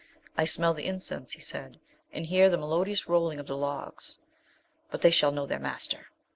'I smell the incense,' he said, 'and hear the melodious Rolling of the Logs. But they shall know their master!'